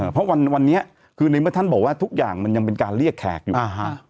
เพราะวันวันนี้คือในเมื่อท่านบอกว่าทุกอย่างมันยังเป็นการเรียกแขกอยู่อ่าฮะ